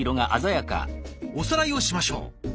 おさらいをしましょう。